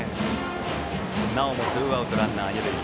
なおもツーアウトランナー、二塁。